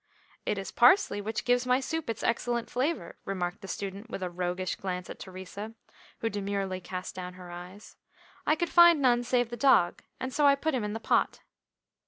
"It is Parsley which gives my soup its excellent flavour," remarked the student with a roguish glance at Theresa, who demurely cast down her eyes. "I could find none save the dog, and so I put him in the pot."